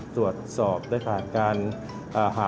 สวัสดีครับ